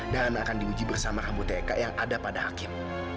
dan akan diuji bersama rambut tk yang ada pada hakim